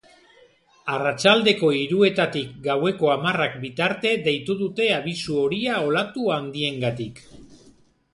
Arratsaldeko hiruetatik gaueko hamarrak bitarte deitu dute abisu horia olatu handiengatik.